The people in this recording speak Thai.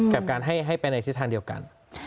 กับการให้ไปในทิศทางเดียวกัน